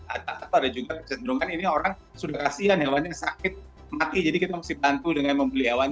atau ada juga kecenderungan ini orang sudah kasihan hewannya sakit mati jadi kita mesti bantu dengan membeli hewan